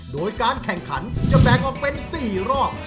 โดยการแข่งขันจะแบ่งออกเป็น๔รอบ